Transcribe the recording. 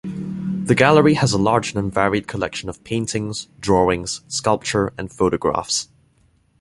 The Gallery has a large and varied collection of paintings, drawings, sculpture and photographs.